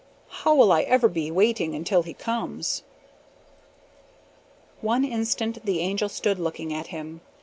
How will I ever be waiting until he comes?" One instant the Angel stood looking at him.